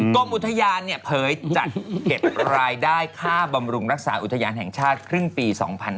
กรมอุทยานเผยจัดเก็บรายได้ค่าบำรุงรักษาอุทยานแห่งชาติครึ่งปี๒๕๕๙